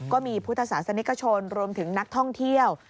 ก็มีพุทธศาสนิกชนรวมถึงนักท่องเที่ยว